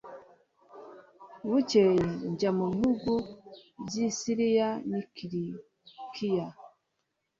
Bukeye njya mu bihugu by i Siriya n i Kilikiya